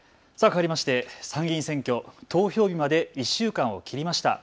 かわりまして参議院選挙、投票日まで１週間を切りました。